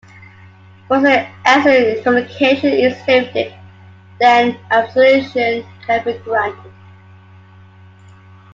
Once the excommunication is lifted, then absolution can be granted.